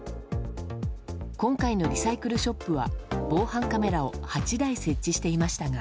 今回のリサイクルショップは防犯カメラを８台設置していましたが。